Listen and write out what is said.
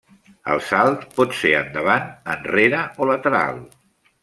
El salt pot ser endavant, enrere o lateral.